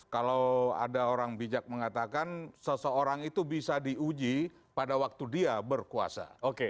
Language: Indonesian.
kalau ada orang bijak mengatakan seseorang itu bisa diuji pada waktu dia berkuasa